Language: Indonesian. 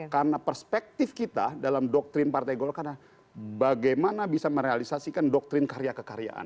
karena perspektif kita dalam doktrin partai golkar adalah bagaimana bisa merealisasikan doktrin karya kekaryaan